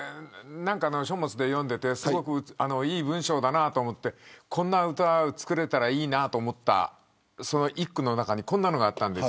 何かの書物を見ていていい文章だなと思ってこんな歌作れたらいいなと思ったその一句の中にこんなのがあったんです。